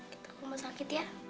kita rumah sakit ya